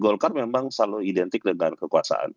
golkar memang selalu identik dengan kekuasaan